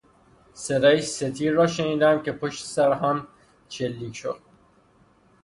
صدای سه تیر را شنیدم که پشت سرهم شلیک شد.